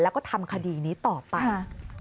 แล้วก็ทำคดีนี้ต่อไป